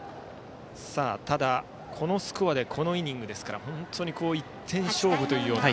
ただ、このスコアでこのイニングですから本当に１点勝負というような。